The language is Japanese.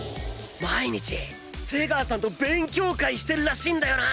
毎日瀬川さんと勉強会してるらしいんだよな。